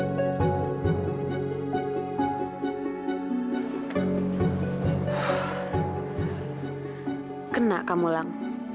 hmm kena kamu lang